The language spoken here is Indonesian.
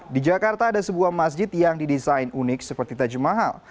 di jakarta ada sebuah masjid yang didesain unik seperti taj mahal